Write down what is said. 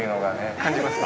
感じますか？